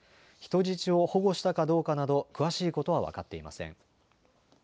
人質を保護したかどうかなど、詳しいことは分かっていません。